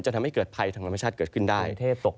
ทำให้เกิดภัยทางธรรมชาติเกิดขึ้นได้